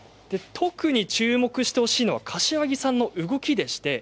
特に注目してほしいのは柏木さんの動きです。